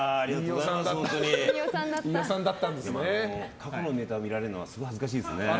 過去のネタを見られるのはすごい恥ずかしいですね。